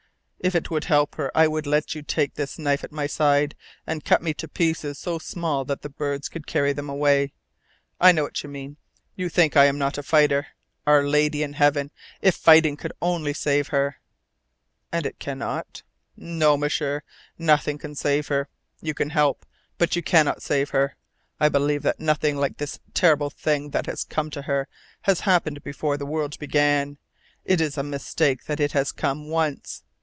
If it would help her I would let you take this knife at my side and cut me into pieces so small that the birds could carry them away. I know what you mean. You think I am not a fighter. Our Lady in Heaven, if fighting could only save her!" "And it cannot?" "No, M'sieur. Nothing can save her. You can help, but you cannot save her. I believe that nothing like this terrible thing that has come to her has happened before since the world began. It is a mistake that it has come once.